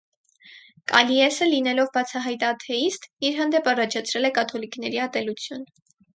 Կալիեսը, լինելով բացահայտ աթեիստ, իր հանդեպ առաջացրել է կաթոլիկների ատելություն։